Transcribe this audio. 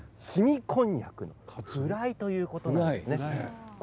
こんにゃくのフライということなんです。